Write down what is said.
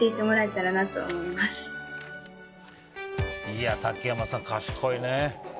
いや竹山さん、賢いね。